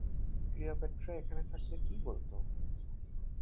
Cleopatra এখানে থাকলে কী বলত?